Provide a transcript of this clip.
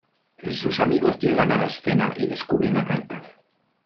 Sus amigos llegan a la escena y descubren la carta.